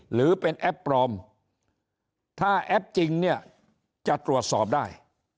หรือเป็นแอปปลอมถ้าแอปจริงเนี่ยจะตรวจสอบได้